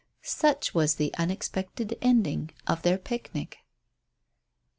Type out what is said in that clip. Such was the unexpected ending of their picnic.